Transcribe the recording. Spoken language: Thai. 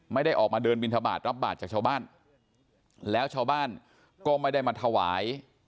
ไม่ได้ออกมาเดินบินทบาทรับบาทจากชาวบ้านแล้วชาวบ้านก็ไม่ได้มาถวาย